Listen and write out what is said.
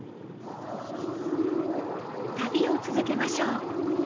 旅を続けましょう。